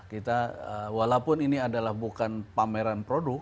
kita walaupun ini adalah bukan pameran produk